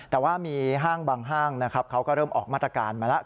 แต่ว่ามีห้างบางห้างนะครับเขาก็เริ่มออกมาตรการมาแล้ว